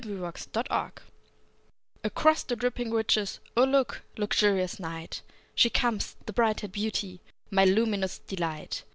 _ Astarte Across the dripping ridges, O, look, luxurious night! She comes, the bright haired beauty, My luminous delight!